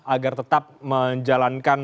agar tetap menjalankan